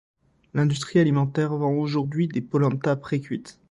L'industrie alimentaire vend aujourd'hui des polentas précuites.